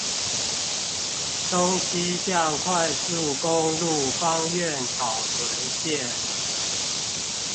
東西向快速公路芳苑草屯線